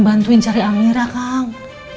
bantuin cari amira kang